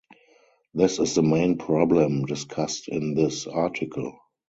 This is the main problem discussed in this article.